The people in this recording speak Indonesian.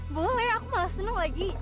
boleh aku malah seneng lagi